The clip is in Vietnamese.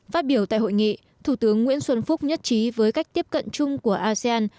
phát biểu tại hội nghị thủ tướng nguyễn xuân phúc nhất trí với cách tiếp cận chung của asean